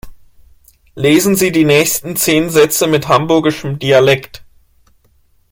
Lesen Sie die nächsten zehn Sätze mit hamburgischem Dialekt.